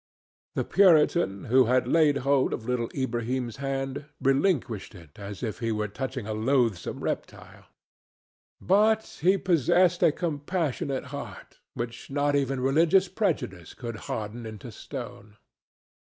The Puritan, who had laid hold of little Ilbrahim's hand, relinquished it as if he were touching a loathsome reptile. But he possessed a compassionate heart which not even religious prejudice could harden into stone.